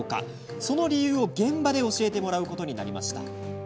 その理由を現場で教えてもらうことになりました。